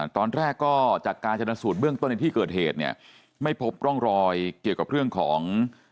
ตอนแรกก็จากการชนสูตรเบื้องต้นในที่เกิดเหตุเนี่ยไม่พบร่องรอยเกี่ยวกับเรื่องของ